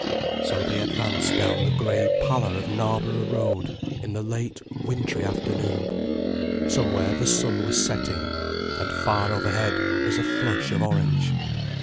So they advanced down the grey pallor of Knarborough Road, in the late wintry afternoon. Somewhere the sun was setting, and far overhead was a flush of orange.